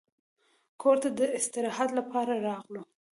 کور ته د استراحت لپاره راغلو.